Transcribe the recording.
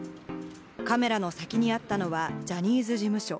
カメラの先にあったのは、ジャニーズ事務所。